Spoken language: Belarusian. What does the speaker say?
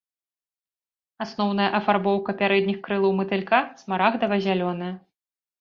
Асноўная афарбоўка пярэдніх крылаў матылька смарагдава-зялёная.